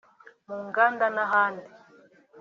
mu nganda n’ahandi